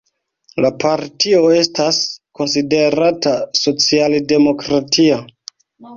La partio estas konsiderata socialdemokratia.